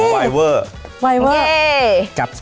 แบลเวอร์